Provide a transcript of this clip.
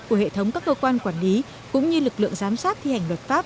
của hệ thống các cơ quan quản lý cũng như lực lượng giám sát thi hành luật pháp